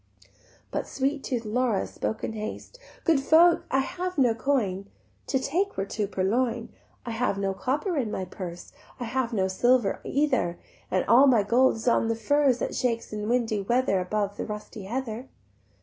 But sweet tooth Laura spoke in haste: "Good folk, I have no coin; To take were to purloin: I have no copper in my purse, I have no silver either, And all my gold is on the furze That shakes in windy weather Above the rusty heather."